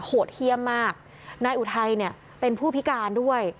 โหดเยี่ยมมากนายอุทัยเนี่ยเป็นผู้พิการด้วย